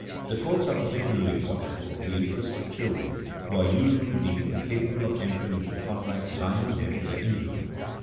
The courts are particularly watchful of the interests of children, who are usually deemed incapable of entering into contracts binding them to their injury.